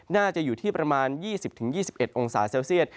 น่าจะอยู่ที่ประมาณ๒๐๒๑องศาเซลเซียต